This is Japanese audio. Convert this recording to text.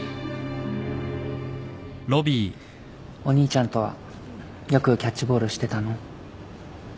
お兄ちゃんとはよくキャッチボールしてたの？